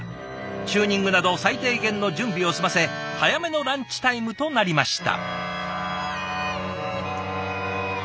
チューニングなど最低限の準備を済ませ早めのランチタイムとなりました。